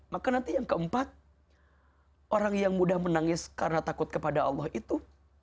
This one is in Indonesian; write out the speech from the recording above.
maka nanti yang keempat orang yang mudah menangis karena takut kepada allah itu